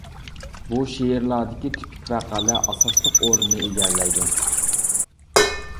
بۇ شېئىرلاردىكى تىپىك ۋەقەلەر ئاساسلىق ئورۇننى ئىگىلەيدۇ.